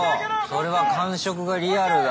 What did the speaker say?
それは感触がリアルだ。